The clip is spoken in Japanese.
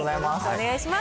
お願いします。